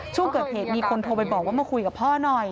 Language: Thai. ช่วงเกิดเหตุมีคนโทรไปบอกว่ามาคุยกับพ่อหน่อย